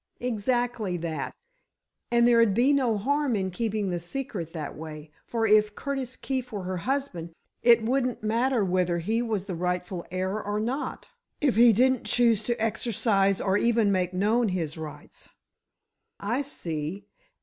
"Exactly that; and there'd be no harm in keeping the secret that way, for if Curt Keefe were her husband, it wouldn't matter whether he was the rightful heir or not, if he didn't choose to exercise or even make known his rights." "I see.